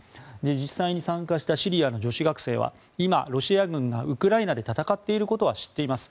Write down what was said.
実際に、参加したシリアの女子学生は今、ロシア軍がウクライナで戦っていることは知っています。